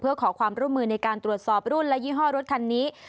เพื่อขอความร่วมมือในการตรวจสอบรุ่นและยี่ห้อรถคันนี้